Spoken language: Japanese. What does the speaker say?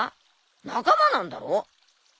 仲間なんだろ？